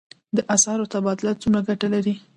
د اسعارو تبادله څومره ګټه لري؟